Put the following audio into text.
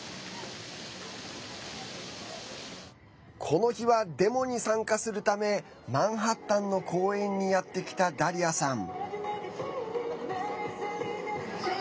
この日は、デモに参加するためマンハッタンの公園にやってきたダリアさん。